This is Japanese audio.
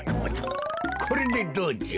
これでどうじゃ。